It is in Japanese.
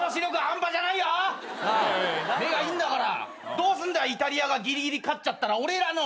どうすんだイタリアがギリギリ勝っちゃったら。